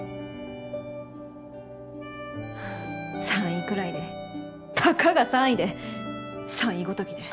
３位くらいでたかが３位で３位ごときで。